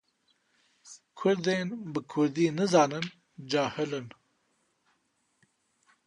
Kurdên bi kurdî nizanin, cahil in.